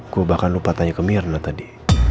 gue bahkan lupa tanya ke mirna tadi